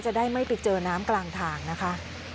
ได้ไม่ไปเจอน้ำกลางทางนะคะ